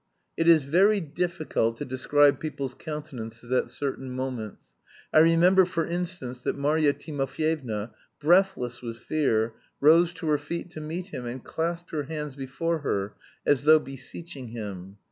It is very difficult to describe people's countenances at certain moments. I remember, for instance, that Marya Timofyevna, breathless with fear, rose to her feet to meet him and clasped her hands before her, as though beseeching him.